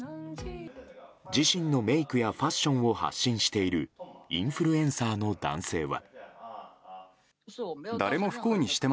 自身のメイクやファッションを発信しているインフルエンサーの男性は。